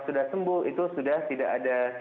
sudah sembuh itu sudah tidak ada